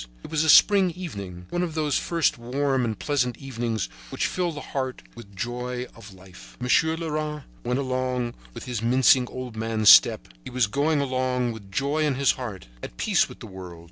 It was a spring evening, one of those first warm and pleasant evenings which fill the heart with the joy of life. Monsieur Leras went along with his mincing old man's step; he was going along with joy in his heart, at peace with the world.